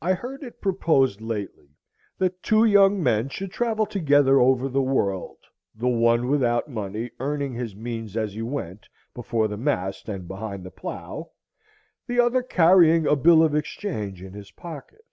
I heard it proposed lately that two young men should travel together over the world, the one without money, earning his means as he went, before the mast and behind the plow, the other carrying a bill of exchange in his pocket.